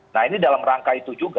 nah ini dalam rangka itu juga